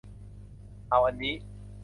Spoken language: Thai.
เอาอันนี้